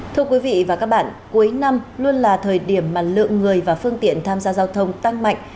thưa quý vị và các bạn cuối năm luôn là thời điểm mà lượng người và phương tiện tham gia giao thông tăng mạnh